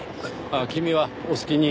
ああ君はお好きに。